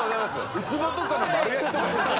ウツボとかの丸焼きとかよ？